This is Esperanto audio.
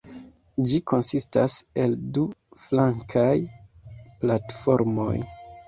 Ĝi konsistas el du flankaj platformoj.